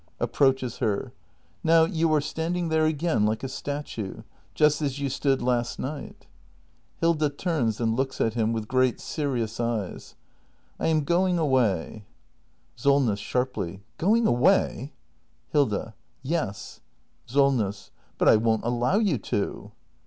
[Ap proaches her.] Now you are standing there again like a statue; just as you stood last night. Hilda. [Turns and looks at him, with great serious eyes.] I am going away. Solness. [Sharply.] Going away! Hilda. Yes. Solness. But I won't allow you to!